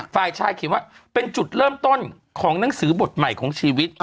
ฝ่ายชายเขียนว่าเป็นจุดเริ่มต้นของหนังสือบทใหม่ของชีวิต